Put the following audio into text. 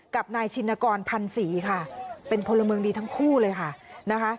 กับนายชินกรพันธ์ศรีค่ะเป็นพลเมืองดีทั้งคู่เลยค่ะนะคะ